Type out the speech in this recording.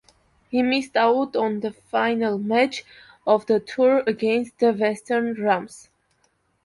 He missed out on the final match of the tour against the Western Rams.